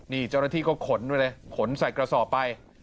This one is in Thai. นี่เจ้าหน้าที่ก็ขนไปเลยขนใส่กระสอบไป